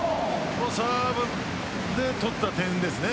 サーブで取った点ですね